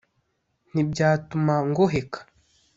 Ntibyatuma ngoheka